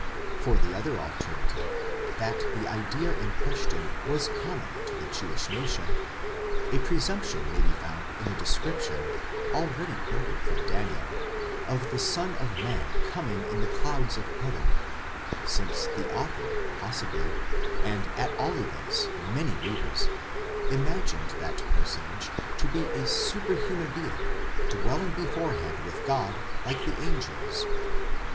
For the other alternative, that the idea in question was common to the Jewish nation, a presumption may be found in the description, already quoted from Daniel, of the Son of man coming in the clouds of heaven, since the author, possibly, and, at all events, many readers, imagined that personage to be a superhuman being, dwelling beforehand with God, like the angels.